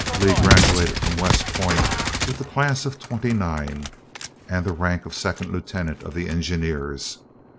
Lee graduated from West Point with the Class of '29, and the rank of second lieutenant of engineers.